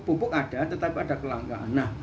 pupuk ada tetapi ada kelangkaan